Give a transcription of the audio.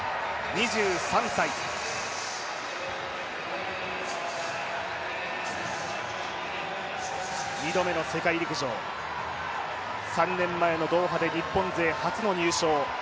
２３歳、２度目の世界陸上、３年前のドーハで日本勢初の入賞。